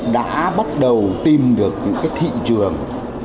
đã bắt đầu tìm được những thị trường